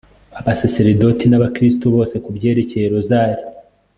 abasaserdoti n'abakristu bose ku byerekeye rosari